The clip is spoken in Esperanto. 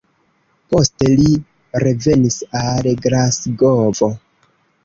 Poste li revenis al Glasgovo.